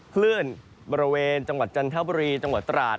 คลื่นบริเวณจังหวัดจันทร์เท้าบรีจังหวัดตราด